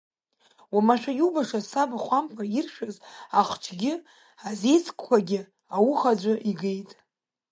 Уамашәа иубаша саб Хәамԥа иршәыз ахчгьы азеицкқәагьы ауха аӡәы игеит.